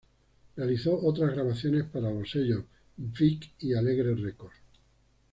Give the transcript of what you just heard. Realizó otras grabaciones para los sellos Vik y Alegre Records.